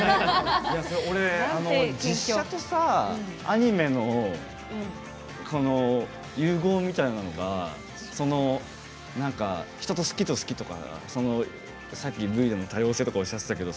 俺、実写とアニメの融合みたいなのが人と、好きと好きとかさっきＶＴＲでも多様性とかおっしゃってましたけど